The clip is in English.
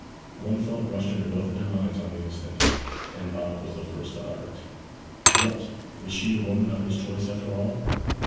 One thought rushed into both their minds on the instant, and Bob was the first to utter it. 'What is she the woman of his choice after all?'